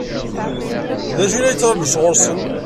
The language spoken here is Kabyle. D acu i la yettṛaǧu sɣur-sen?